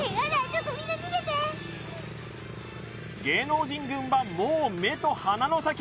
ちょっと芸能人軍はもう目と鼻の先